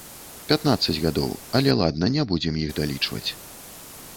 Пятнаццаць гадоў, але ладна, не будзем іх далічваць.